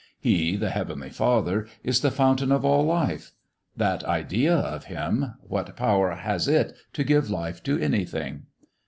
He, the Heavenly Father, is the fountain of all life; that idea of Him what power has it to give life to anything?